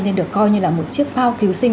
nên được coi như là một chiếc phao cứu sinh